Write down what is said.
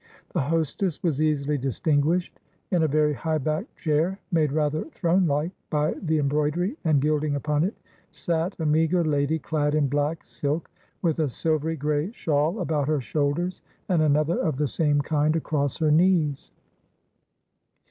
The hostess was easily distinguished. In a very high backed chair, made rather throne like by the embroidery and gilding upon it, sat a meagre lady clad in black silk, with a silvery grey shawl about her shoulders, and another of the same kind across her knees.